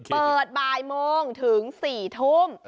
เปิดบ่ายโมงถึง๔ทุ่ม